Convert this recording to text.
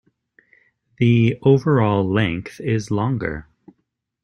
The overall length is longer.